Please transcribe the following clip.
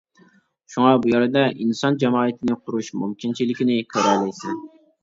شۇڭا، بۇ يەردە ئىنسان جامائىتىنى قۇرۇش مۇمكىنچىلىكىنى كۆرەلەيسەن.